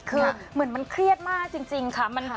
คือเหมือนมันเครียดมากจริงค่ะ